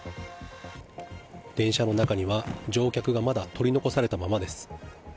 電車の中には、乗客がまだ取り残されたままです。